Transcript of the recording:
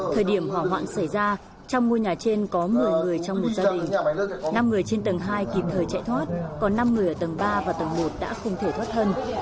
thời điểm hỏa hoạn xảy ra trong ngôi nhà trên có một mươi người trong một gia đình năm người trên tầng hai kịp thời chạy thoát còn năm người ở tầng ba và tầng một đã không thể thoát thân